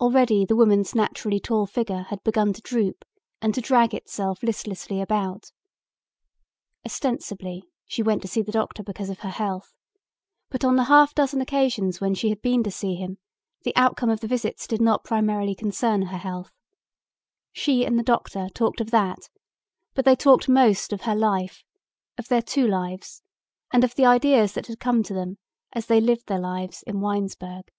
Already the woman's naturally tall figure had begun to droop and to drag itself listlessly about. Ostensibly she went to see the doctor because of her health, but on the half dozen occasions when she had been to see him the outcome of the visits did not primarily concern her health. She and the doctor talked of that but they talked most of her life, of their two lives and of the ideas that had come to them as they lived their lives in Winesburg.